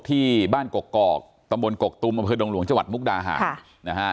ที่บ้านกกกอกตมกกตุมอหลวงจมุกดาหาค